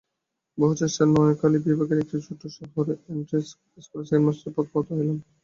বহু চেষ্টায় নওয়াখালি বিভাগের একটি ছোটো শহরে এন্ট্রেন্স স্কুলের সেকেণ্ড মাস্টারি পদ প্রাপ্ত হইলাম।